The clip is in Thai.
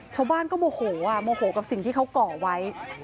ชาวบ้านก็โมโหโมโหกับสิ่งที่เขาก่อไว้